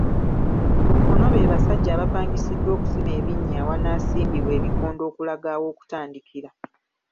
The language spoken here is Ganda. Ku kkono be basajja abapangisiddwa okusima ebinnya awanaasimbibwa ebikondo okulaga aw’okutandikira.